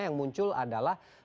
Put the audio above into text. yang muncul adalah